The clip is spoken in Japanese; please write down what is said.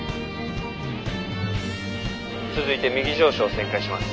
続いて右上昇旋回します。